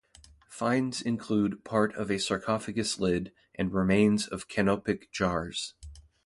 Finds include part of a sarcophagus lid and remains of Canopic jars.